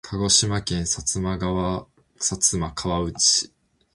鹿児島県薩摩川内市